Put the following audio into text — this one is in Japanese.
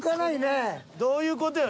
どういう事よ？